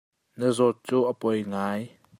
Na zawt cu a poi ngai.